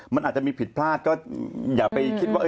มันอาจจะมีผิดพลาดก็อย่าไปคิดว่า